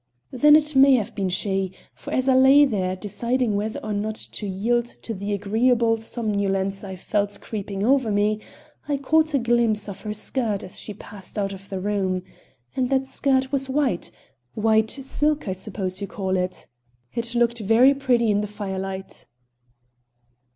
"Then it may have been she, for as I lay there deciding whether or not to yield to the agreeable somnolence I felt creeping over me, I caught a glimpse of her skirt as she passed out of the room. And that skirt was white white silk, I suppose you call it. It looked very pretty in the firelight."